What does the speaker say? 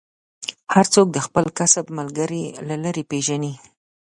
هر څوک د خپل کسب ملګری له لرې پېژني.